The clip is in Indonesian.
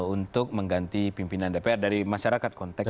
untuk mengganti pimpinan dpr dari masyarakat konteksnya